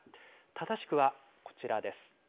正しくはこちらです。